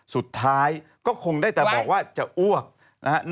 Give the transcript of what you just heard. สุดท้ายก็คงได้แต่บอกว่าจะอ้วกนะฮะ